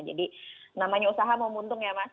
jadi namanya usaha memuntung ya mas